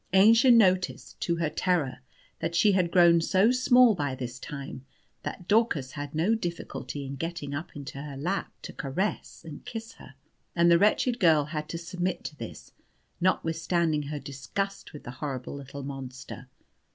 Aennchen noticed, to her terror, that she had grown so small by this time, that Daucus had no difficulty in getting up into her lap to caress and kiss her; and the wretched girl had to submit to this, notwithstanding her disgust with the horrid little monster.